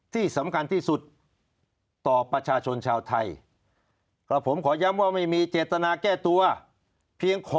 ที่สำคัญที่สุดต่อประชาชนชาวไทย